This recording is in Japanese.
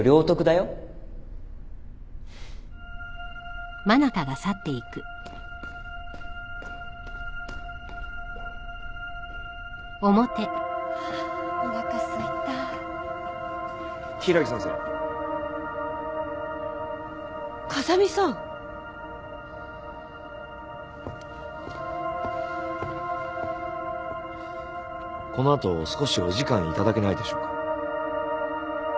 この後少しお時間頂けないでしょうか。